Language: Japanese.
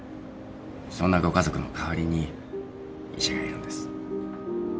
そんなご家族の代わりに医者がいるんです。